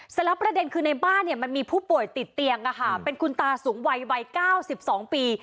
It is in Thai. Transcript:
สำหรับประเด็นคือในบ้านมันมีผู้ติดเตียงแต่คุณตาสูงวัยใกล้๙๒ปี